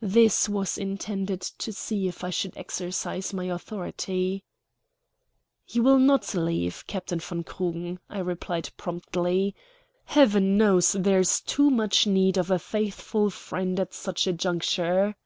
This was intended to see if I should exercise my authority. "You will not leave, Captain von Krugen," I replied promptly. "Heaven knows there is too much need of a faithful friend at such a juncture."